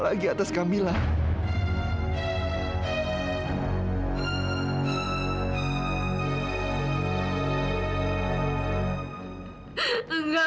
saya tidak pernah memberi back to nelpar